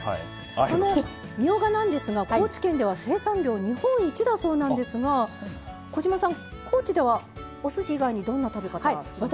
みょうがなんですが高知県では生産量日本一だそうなんですが小島さん、高知ではおすし以外にどんな食べ方するんですか？